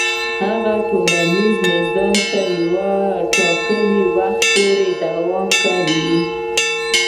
هر ټولنیز نظام تر یو ټاکلي وخته پورې دوام کوي.